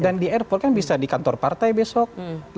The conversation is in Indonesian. dan di airport kan bisa di kantor partai besok